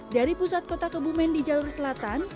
dari pusat kota kebumen di jalur selatan